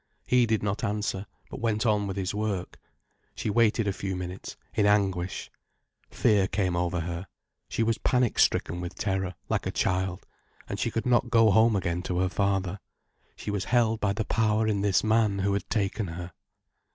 He did not answer, but went on with his work. She waited a few minutes, in anguish. Fear came over her, she was panic stricken with terror, like a child; and she could not go home again to her father; she was held by the power in this man who had taken her.